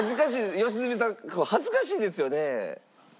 良純さん恥ずかしいですよね？